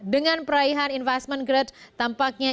dengan peraihan investment grade tampaknya